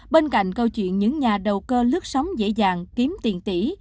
bên cạnh câu chuyện những nhà đầu cơ lướt sóng dễ dàng kiếm tiền tỷ